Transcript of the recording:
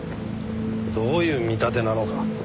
どういう見立てなのか。